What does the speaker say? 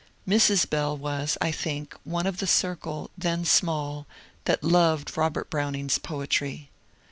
Mrs. Bell was, I think, one of the circle, then small, that loved Robert Browning's poetry.